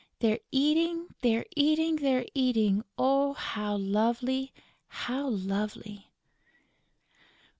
They're eating, they're eating, they're eating!... Oh, how lovely, how lovely!..."